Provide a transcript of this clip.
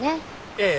ええ。